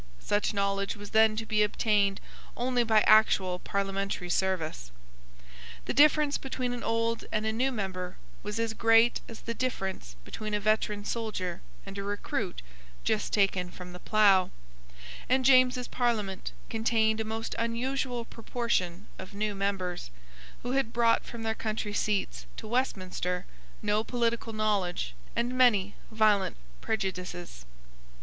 Such knowledge was then to be obtained only by actual parliamentary service. The difference between an old and a new member was as great as the difference between a veteran soldier and a recruit just taken from the plough; and James's Parliament contained a most unusual proportion of new members, who had brought from their country seats to Westminster no political knowledge and many violent prejudices.